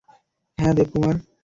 হ্যাঁ, দেবকুমার।